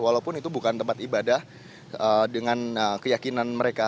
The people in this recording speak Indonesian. walaupun itu bukan tempat ibadah dengan keyakinan mereka